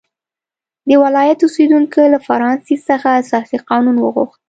د ولایت اوسېدونکو له فرانسیس څخه اساسي قانون وغوښت.